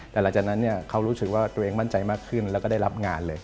แต่หลังจากนั้นเขารู้สึกว่าตัวเองมั่นใจมากขึ้นแล้วก็ได้รับงานเลย